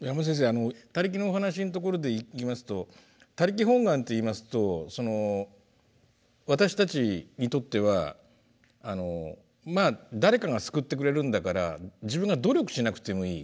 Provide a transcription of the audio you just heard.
あの「他力」のお話のところでいきますと「他力本願」っていいますと私たちにとっては「まあ誰かが救ってくれるんだから自分が努力しなくてもいい。